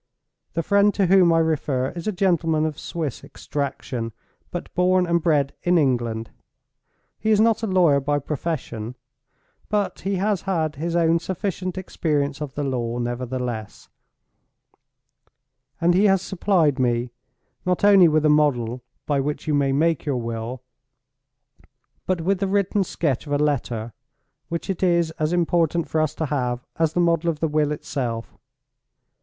The friend to whom I refer is a gentleman of Swiss extraction, but born and bred in England. He is not a lawyer by profession—but he has had his own sufficient experience of the law, nevertheless; and he has supplied me, not only with a model by which you may make your will, but with the written sketch of a letter which it is as important for us to have, as the model of the will itself.